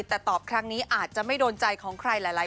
แต่ตอบครั้งนี้อาจจะไม่โดนใจของใครหลายคน